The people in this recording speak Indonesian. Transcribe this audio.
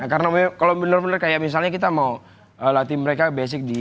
karena kalau bener bener kayak misalnya kita mau latihan basic